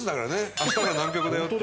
「明日から南極だよ」って。